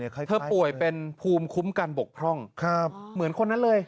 ใครเธอป่วยเป็นภูมิคุ้มกันบกพร่องครับเหมือนคนนั้นเลย